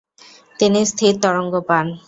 তিনি স্থির তরঙ্গ পান।